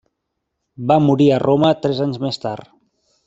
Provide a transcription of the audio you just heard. Va morir a Roma tres anys més tard.